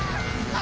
あ！